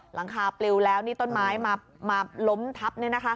หลังคาปลิวแล้วนี่ต้นไม้มาล้มทับ